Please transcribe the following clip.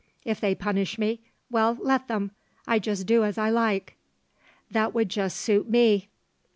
If they punish me well, let them! I just do as I like.' 'That would just suit me.'